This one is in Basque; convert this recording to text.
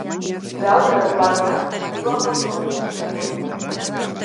Gaur, larunbatean, zeruak oso hodeitsu izango dira.